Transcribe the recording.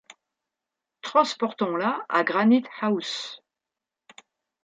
Transportons-la à Granite-house